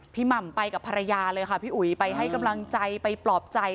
หม่ำไปกับภรรยาเลยค่ะพี่อุ๋ยไปให้กำลังใจไปปลอบใจ